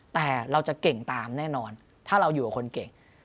แต่เราจะเก่งตามแน่นอนถ้าเราอยู่กับคนเก่ง